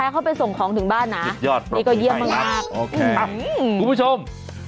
เขาไปส่งของถึงบ้านนะนี่ก็เยี่ยมมากคุณผู้ชม